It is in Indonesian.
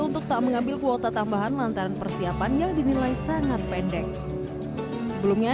untuk tak mengambil kuota tambahan lantaran persiapan yang dinilai sangat pendek sebelumnya